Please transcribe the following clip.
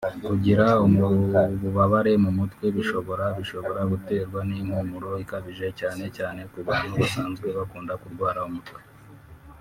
Kugira ububare mu mutwe bishobora bishobora guterwa n’impumuro ikabije cyane cyane ku bantu basazwe bakunda kurwara umutwe